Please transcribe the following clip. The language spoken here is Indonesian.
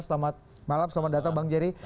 selamat malam selamat datang bang jerry